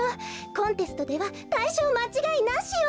コンテストではたいしょうまちがいなしよ。